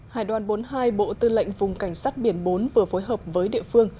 hải đoàn bốn mươi hai bộ tư lệnh vùng cảnh sát biển bốn vừa phối hợp với địa phương